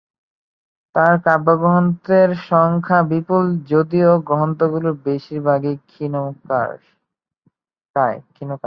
তার কাব্যগ্রন্থের সংখ্যা বিপুল যদিও গ্রন্থগুলির বেশির ভাগই ক্ষীণকায়।